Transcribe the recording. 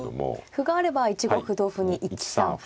歩があれば１五歩同歩に１三歩と。